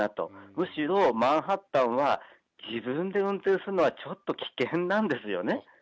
むしろマンハッタンは自分で運転するのはちょっと危険なんですよね。